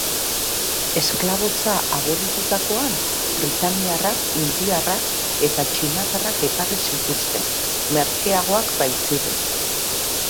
Esklabotza abolitutakoan, britaniarrek indiarrak eta txinatarrak ekarri zituzten, merkeagoak baitziren.